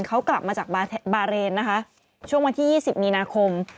เขากลับมาจากบาเรนนะคะช่วงวันที่๒๐มีนาคม